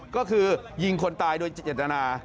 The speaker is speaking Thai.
ก็คือยิงคนตายโดยเจตนา